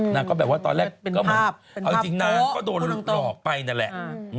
นางก็แบบว่าตอนแรกก็เหมือนเอาจริงนางก็โดนหลอกไปนั่นแหละ